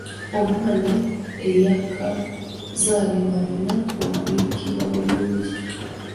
Omwana eyakazaalibwa alina okubikkibwa obulungi.